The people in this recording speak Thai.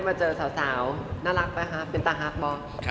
เบมเบอร์เราก็ไปเยอะมากกันกันน่ะ